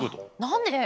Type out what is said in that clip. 何で？